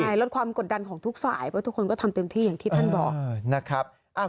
แล้วความกดดันของทุกฝ่ายเพราะทุกคนก็ทำเต็มที่ที่ท่านบอก